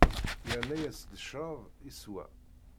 Yerna-yas-d ccṛab, iswa.